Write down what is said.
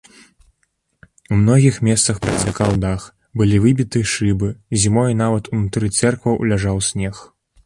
У многіх месцах працякаў дах, былі выбіты шыбы, зімой нават унутры цэркваў ляжаў снег.